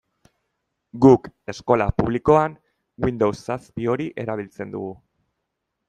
Guk, eskola publikoan, Windows zazpi hori erabiltzen dugu.